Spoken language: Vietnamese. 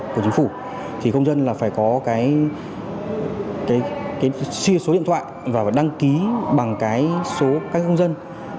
của chính phủ thì công dân là phải có cái sia số điện thoại và đăng ký bằng cái số các công dân